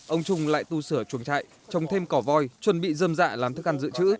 ông trung lại tu sửa chuồng trại trồng thêm cỏ voi chuẩn bị dơm dạ làm thức ăn dự trữ